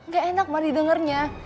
gak enak banget didengernya